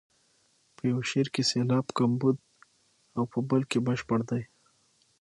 په یو شعر کې سېلاب کمبود او په بل کې بشپړ دی.